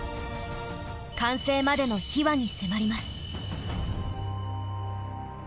完成までの秘話に迫ります。